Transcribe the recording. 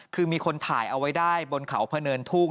คือมีคนถ่ายเอาไว้ได้บนเขาพะเนินทุ่ง